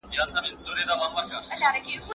زما پلار بيرته هغه هبه راڅخه واخيسته.